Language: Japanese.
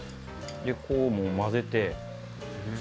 こうもう混ぜて。